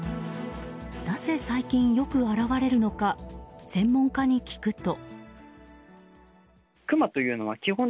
なぜ最近よく現れるのか専門家に聞くと。